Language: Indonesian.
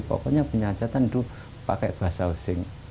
pokoknya penyanyi dulu pakai bahasa osing